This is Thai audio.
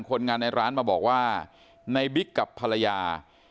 คนงานในร้านมาบอกว่าในบิ๊กกับภรรยา